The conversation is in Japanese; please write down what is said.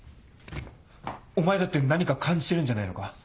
お前だって何か感じてるんじゃないのか？